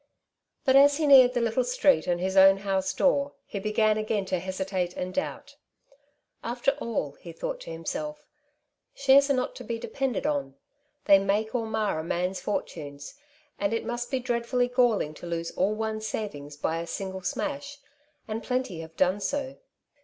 But as he neared the little street and his own house door, he began again to hesitate and doubt. *' After all," he thought to himself, ^^ shares are not to be depended on. They make or mar a man^s fortunes ; and it must be dreadfully galling to lose all , one^s savings by a single smash ; and plenty have done so.